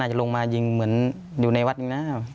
น่าจะลงมายิงเหมือนอยู่ในวัดนะครับ